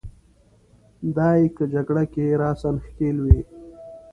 دای که جګړه کې راساً ښکېل وي.